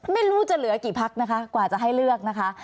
ไม่รู้จะเหลือกี่พักนะคะกว่าจะให้เลือกนะคะ